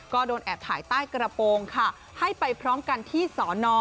ก็โดนแอบถ่ายใต้กระโปรงค่ะให้ไปพร้อมกันที่สอนอ